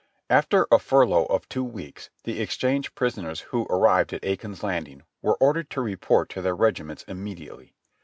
After a furlough of two weeks the exchanged prisoners who had arrived at Aiken's Landing were ordered to report to their regiments immediately.